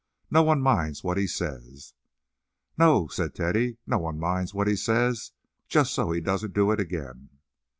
No one minds what he says." "No," said Teddy, "no one minds what he says, just so he doesn't do it again."